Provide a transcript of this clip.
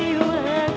sedih depan mata aku